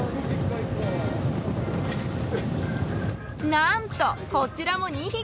なんとこちらも２匹。